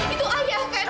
itu ayah kan